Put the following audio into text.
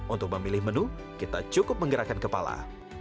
untuk memilih menu kita cukup menggerakkan kepala